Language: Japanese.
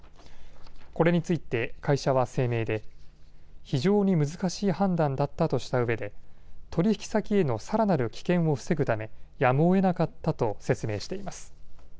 これについて会社は声明で非常に難しい判断だったとしたうえで取引先へのさらなる危険を防ぐため、やむをえなかったと説明しています。